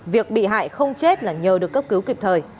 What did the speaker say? việc bị hại không chết là nhờ được cấp cứu kịp thời